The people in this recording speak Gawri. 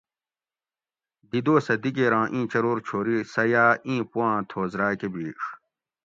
دی دوسہ دگیراں اِیں چرور چھوری سہ یاۤ اِیں پوآۤں تھوس راۤکہ بِھیڛ